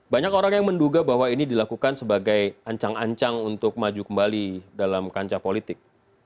banyak orang yang menduga bahwa ini dilakukan sebagai ancang ancang untuk maju kembali dalam kancah politik